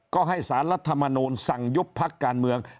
ก็ให้สารรัฐมนูลสั่งยุบพักการเมือง